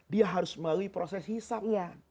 dia harus melalui proses hisap